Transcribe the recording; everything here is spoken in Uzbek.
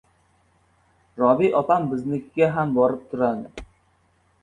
Robi opam biznikiga ham borib turadi.